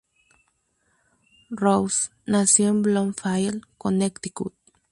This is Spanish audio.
Rose nació en Bloomfield, Connecticut.